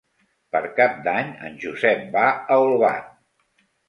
Per Cap d'Any en Josep va a Olvan.